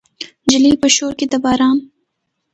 نجلۍ په شور کې د باران